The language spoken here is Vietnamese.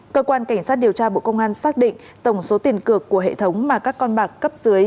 cơ quan cảnh sát điều tra bộ công an xác định tổng số tiền cược của hệ thống mà các con bạc cấp dưới